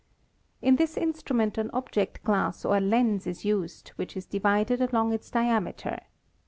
In this instrument an object glass or lens is used which is divided along its diameter.